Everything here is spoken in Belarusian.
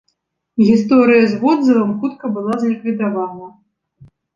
Гісторыя з водзывам хутка была зліквідавана.